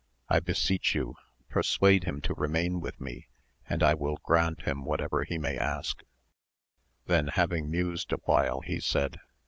I beseech you persuade him to remain with me and I will grant him whatever he may ask ; then having mused awhile he said.